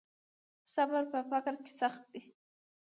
صبر په فقر کې سخت دی.